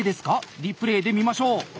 リプレーで見ましょう！